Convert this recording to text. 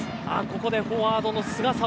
ここでフォワードの菅澤。